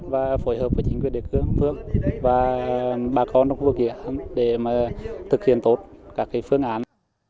và phối hợp với chính quyền địa phương phương và bà con trong khu vực dự án để thực hiện tốt các phương án